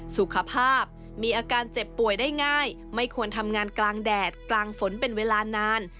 สุขภาพมีอาการเจ็บป่วยได้ง่ายไม่ควรทำงานกลางแดดกลางฝนเป็นเวลานาน